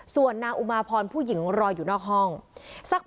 ส่วนนางอุมาพรผู้หญิงรออยู่นอกห้องสักพัก